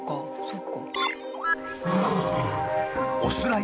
そっか。